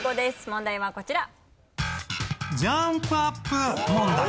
問題はこちら。